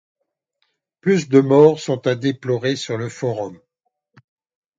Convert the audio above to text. Plus de morts sont à déplorer sur le Forum.